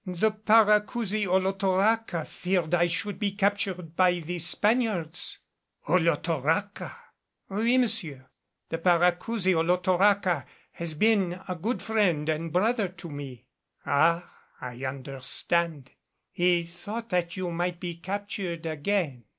The Paracousi Olotoraca feared I should be captured by the Spaniards." "Olotoraca!" "Oui, monsieur. The Paracousi Olotoraca has been a good friend and brother to me." "Ah! I understand. He thought that you might be captured again.